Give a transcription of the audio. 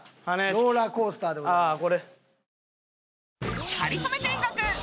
ローラーコースターでございます。